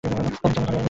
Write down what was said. সে মেয়েকে আমি ঘরে আনি?